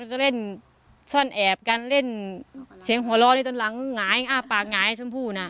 ก็เล่นซ่อนแอบกันเล่นเสียงหัวเราะนี่ตอนหลังหงายอ้าปากหงายชมพู่น่ะ